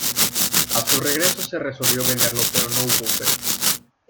A su regreso se resolvió venderlo pero no hubo ofertas.